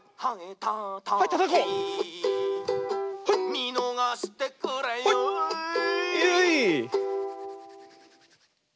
「みのがしてくれよぉ」